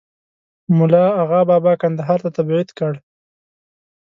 مُلا آغابابا کندهار ته تبعید کړ.